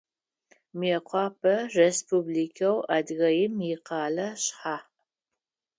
Мыекъуапэ Республикэу Адыгеим икъэлэ шъхьаӏ.